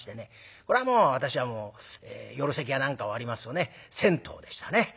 これはもう私はもう夜席や何か終わりますとね銭湯でしたね。